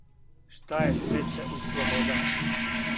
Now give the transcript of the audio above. Шта је срећа и слобода.